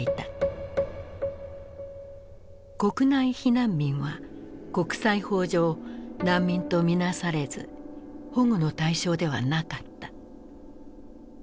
「国内避難民」は国際法上難民と見なされず保護の対象ではなかった。